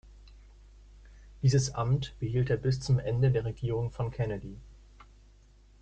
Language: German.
Dieses Amt behielt er bis zum Ende der Regierung von Kennedy.